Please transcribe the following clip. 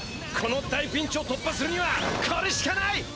この大ピンチを突破するにはこれしかない！